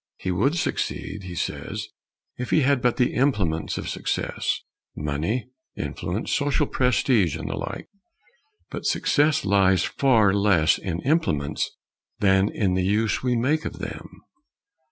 He would succeed, he says, if he had but the implements of success money, influence, social prestige, and the like. But success lies far less in implements than in the use we make of them.